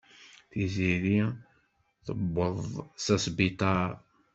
Tiziri tuweḍ s asbiṭar.